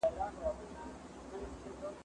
یوازي لس تنه دي!.